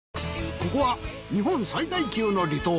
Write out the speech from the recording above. ここは日本最大級の離島。